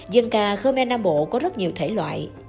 dân ca khmer nam bộ có rất nhiều thể loại